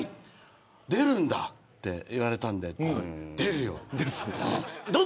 出るんだって言われたんで出るよって、うん。